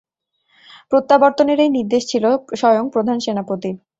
প্রত্যাবর্তনের এই নির্দেশ ছিল স্বয়ং প্রধান সেনাপতির।